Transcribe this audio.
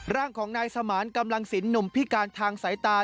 ร่างของนายสมานกำลังสินหนุ่มพิการทางสายตา